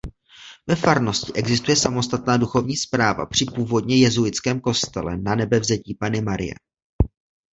Ve farnosti existuje samostatná duchovní správa při původně jezuitském kostele Nanebevzetí Panny Marie.